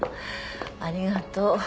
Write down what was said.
ありがとう。